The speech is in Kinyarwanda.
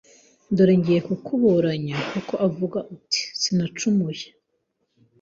Dore ngiye kukuburanya kuko uvuga uti Sinacumuye